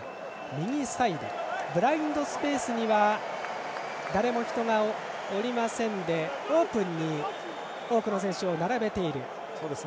右サイドブラインドスペースには誰も人がおりませんのでオープンに多くの選手を並べています。